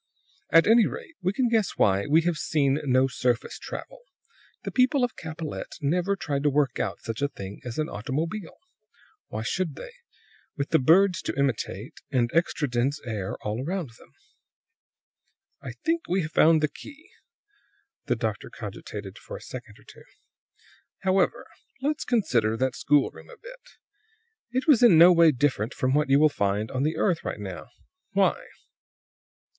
"At any rate, we can guess why we have seen no surface travel. The people of Capellette never tried to work out such a thing as an automobile; why should they, with the birds to imitate, and extra dense air all about them? "I think we have found the key." The doctor cogitated for a second or two. "However, let's consider that schoolroom a bit. It was in no way different from what you will find on the earth right now. Why?"